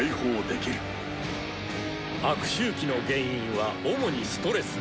悪周期の原因は主にストレス。